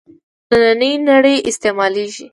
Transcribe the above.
نننۍ نړۍ استعمالېږي.